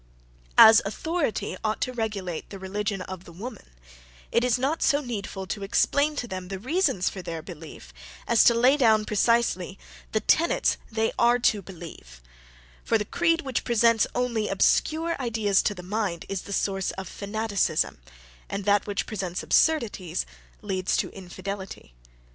"As authority ought to regulate the religion of the women, it is not so needful to explain to them the reasons for their belief, as to lay down precisely the tenets they are to believe: for the creed, which presents only obscure ideas to the mind, is the source of fanaticism; and that which presents absurdities, leads to infidelity."